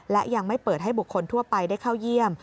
และยังไม่เปิดให้บุคคลทั่วไปได้เข้าเยี่ยม